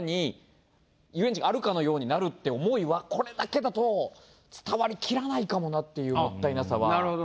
あるかのようになるって思いはこれだけだと伝わりきらないかもなっていうもったいなさは。